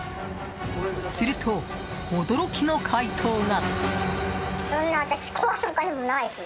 すると、驚きの回答が。